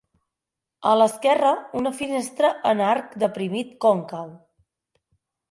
A l'esquerra una finestra en arc deprimit còncau.